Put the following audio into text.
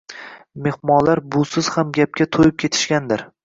Mehmonlar busiz ham gapga to‘yib ketishgandir.